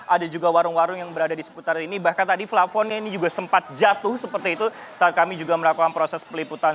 ada juga warung warung yang berada di seputar ini bahkan tadi plafonnya ini juga sempat jatuh seperti itu saat kami juga melakukan proses peliputan